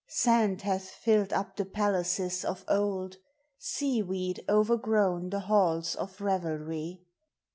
Sand hath tilled up the palaces of Id. Sea weed oYrgrown the halls of revelry.